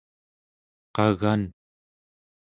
qagan